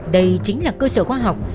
đây chính là cơ sở khoa học